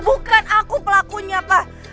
bukan aku pelakunya pak